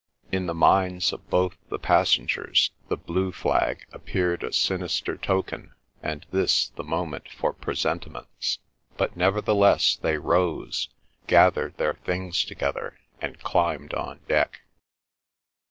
In the minds of both the passengers the blue flag appeared a sinister token, and this the moment for presentiments, but nevertheless they rose, gathered their things together, and climbed on deck.